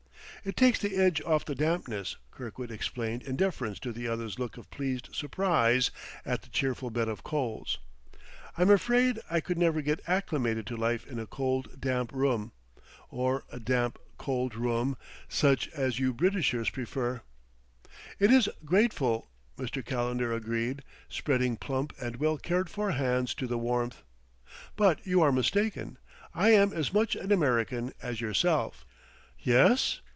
"It takes the edge off the dampness," Kirkwood explained in deference to the other's look of pleased surprise at the cheerful bed of coals. "I'm afraid I could never get acclimated to life in a cold, damp room or a damp cold room such as you Britishers prefer." "It is grateful," Mr. Calendar agreed, spreading plump and well cared for hands to the warmth. "But you are mistaken; I am as much an American as yourself." "Yes?"